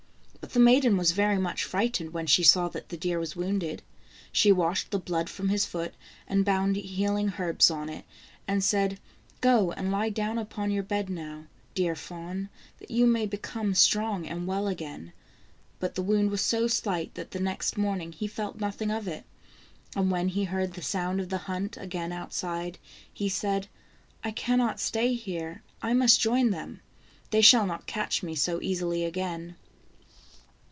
But the maiden was very much frightened when she saw that the deer was wounded. She washed the blood from his foot, and bound healing herbs on it, and said :" Go and lie down upon your bed now, dear fawn, that you may become strong and well again." But the wound was so slight that the next morning he felt nothing of it. And when he heard the sound of the hunt again outside, he said :" I cannot stay here, I must join them. They shall not catch me so easily again."